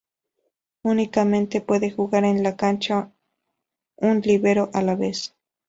Únicamente puede jugar en la cancha un libero a la vez.